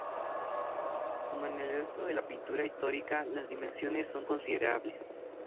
Como en el resto de la pintura histórica, las dimensiones son considerables.